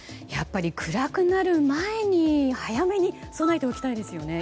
暗くなる前に早めに備えておきたいですね。